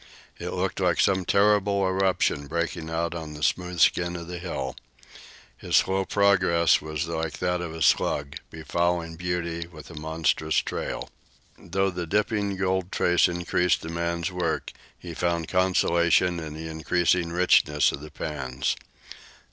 It looked like some terrible eruption breaking out on the smooth skin of the hill. His slow progress was like that of a slug, befouling beauty with a monstrous trail. Though the dipping gold trace increased the man's work, he found consolation in the increasing richness of the pans.